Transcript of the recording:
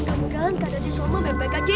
mudah mudahan gak ada disomong baik baik aja ya